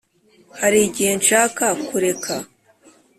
hari igihe nshaka kureka,